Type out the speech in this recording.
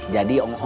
jadi oo gimana